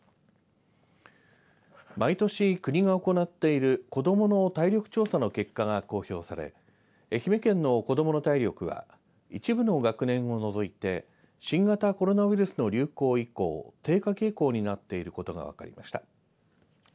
毎年、国が行っている子どもの体力調査の結果が公表され愛媛県の子どもの体力は一部の学年を除いて新型コロナウイルスの流行以降低下傾向になっていることが分かりました。